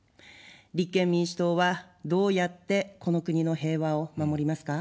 立憲民主党はどうやってこの国の平和を守りますか。